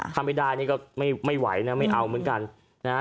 ถ้าไม่ได้นี่ก็ไม่ไหวนะไม่เอาเหมือนกันนะฮะ